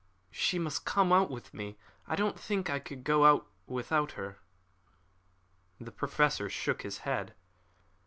She must come out with me. I don't think I could go without her." The Professor shook his head.